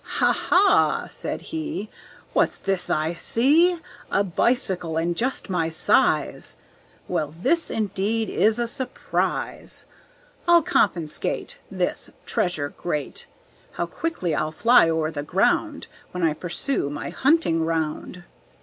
"Ha! Ha!" said he, "What's this I see, A bicycle! and just my size! Well, this, indeed, is a surprise! I'll confiscate This treasure great; How quickly I'll fly o'er the ground When I pursue my hunting round!"